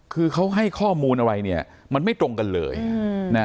คือเขาให้ข้อมูลอะไรเนี่ยมันไม่ตรงกันเลยนะ